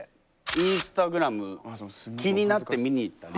インスタグラム気になって見に行ったり。